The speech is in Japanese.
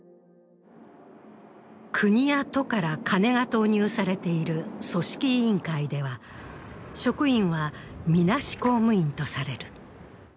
国や都から金が投入されている組織委員会では、職員は、みなし公務員とされる。